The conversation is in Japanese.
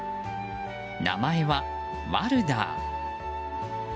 名前はワルダー。